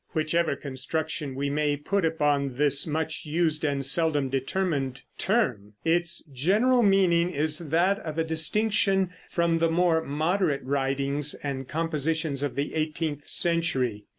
Whichever construction we may put upon this much used and seldom determined term, its general meaning is that of a distinction from the more moderate writings and compositions of the eighteenth century.